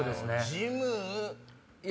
ジム？